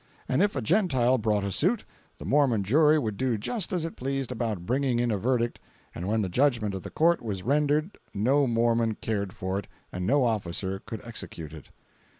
And if a Gentile brought a suit, the Mormon jury would do just as it pleased about bringing in a verdict, and when the judgment of the court was rendered no Mormon cared for it and no officer could execute it.